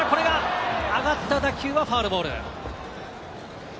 上がった打球はファウルボール。